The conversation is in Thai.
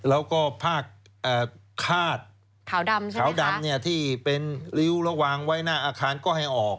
แล้วก็ผ้าขาดขาวดำที่เป็นริ้วแล้ววางไว้หน้าอาคารก็ให้ออก